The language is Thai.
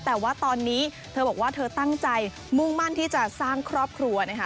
แต่ว่าตอนนี้เธอบอกว่าเธอตั้งใจมุ่งมั่นที่จะสร้างครอบครัวนะคะ